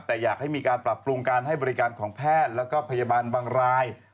แต่อยากให้มีการปรับปรุงการให้บริการของแพทย์แล้วก็พยาบาลบางราย